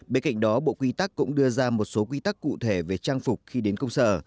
bên cạnh đó bộ quy tắc cũng đưa ra một số quy tắc cụ thể về trang phục khi đến công sở